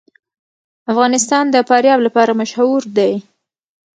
افغانستان د فاریاب لپاره مشهور دی.